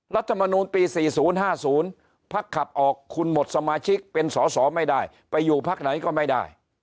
รัฐมนูลปี๔๐๕๐พักขับออกคุณหมดสมาชิกเป็นสอสอไม่ได้ไปอยู่พักไหนก็ไม่ได้